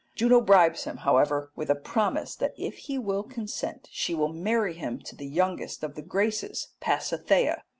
Juno bribes him, however, with a promise that if he will consent she will marry him to the youngest of the Graces, Pasithea.